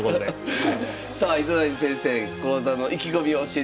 さあ糸谷先生講座の意気込みを教えてください。